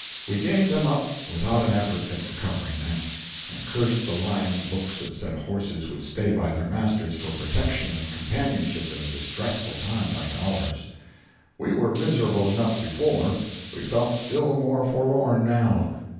We gave them up without an effort at recovering them, and cursed the lying books that said horses would stay by their masters for protection and companionship in a distressful time like ours. We were miserable enough, before; we felt still more forlorn, now.